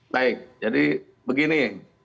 baik jadi begini